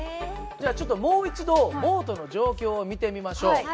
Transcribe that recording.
じゃあちょっともう一度ボートの状況を見てみましょう。